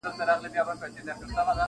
سکون مي ستا په غېږه کي شفا دي اننګو کي,